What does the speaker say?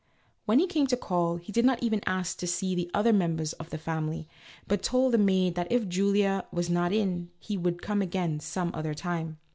When he came to call, he did not even ask to see the other members of the family, but told the maid that if Miss Julia was not in, he would come again some other time.